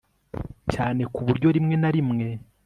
cyane ku buryo rimwe na rimwe